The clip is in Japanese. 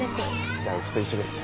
じゃあうちと一緒ですね。